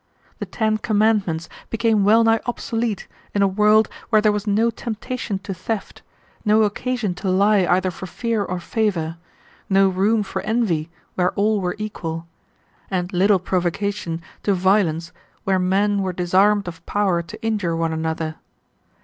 The ten commandments became well nigh obsolete in a world where there was no temptation to theft, no occasion to lie either for fear or favor, no room for envy where all were equal, and little provocation to violence where men were disarmed of power to injure one another.